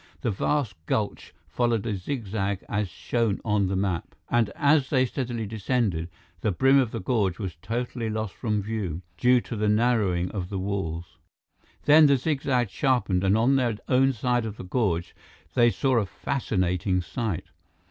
The vast gulch followed a zigzag as shown on the map, and as they steadily descended, the brim of the gorge was totally lost from view, due to the narrowing of the walls. Then, the zigzag sharpened, and on their own side of the gorge, they saw a fascinating sight.